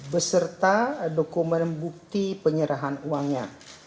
beserta dokumen bukti penyerahan uangnya